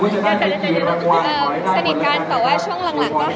แล้วก็ในที่เราสนิทกันแต่ว่าช่วงหลังก็ห่างจริงค่ะ